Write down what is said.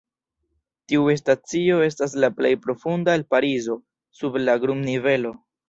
Tiu stacio estas la plej profunda el Parizo: sub la grund-nivelo.